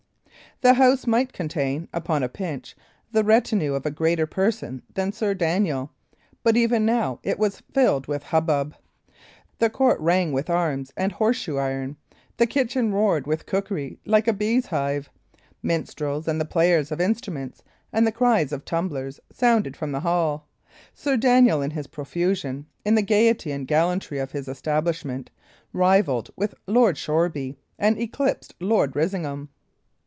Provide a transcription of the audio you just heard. The house might contain, upon a pinch, the retinue of a greater person than Sir Daniel; but even now it was filled with hubbub. The court rang with arms and horseshoe iron; the kitchens roared with cookery like a bees' hive; minstrels, and the players of instruments, and the cries of tumblers, sounded from the hall. Sir Daniel, in his profusion, in the gaiety and gallantry of his establishment, rivalled with Lord Shoreby, and eclipsed Lord Risingham.